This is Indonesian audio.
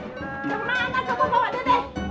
kemana kamu bawa dedek